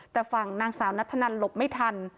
แต่ฝั่งนางสาวนัทธนันหลบไม่ทัน